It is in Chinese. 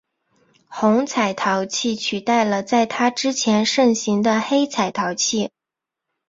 红彩陶器取代了在它之前盛行的黑彩陶器。